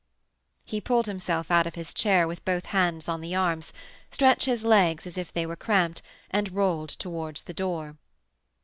He pulled himself out of his chair with both hands on the arms, stretched his legs as if they were cramped, and rolled towards the door.